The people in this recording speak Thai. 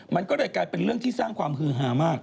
มันก็เลยกลายเป็นเรื่องที่สร้างความฮือฮามาก